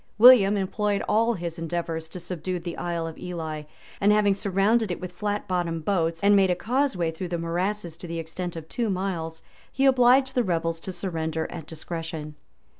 William employed all his endeavors to subdue the Isle of Ely; and having surrounded it with flat bottomed boats, and made a causeway through the morasses to the extent of two miles, he obliged the rebels to surrender at discretion.